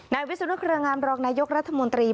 ในวิสุทธิ์พระรองรยกรัฐมนตรี